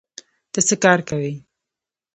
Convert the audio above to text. ته څه کار کوې؟